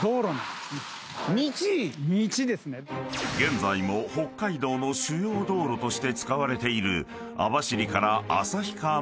［現在も北海道の主要道路として使われている］